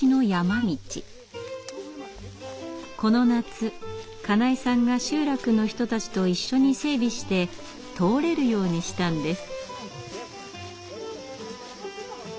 この夏金井さんが集落の人たちと一緒に整備して通れるようにしたんです。